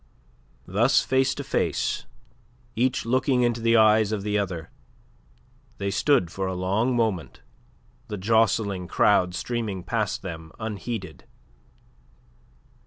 Thus face to face, each looking into the eyes of the other, they stood for a long moment, the jostling crowd streaming past them, unheeded.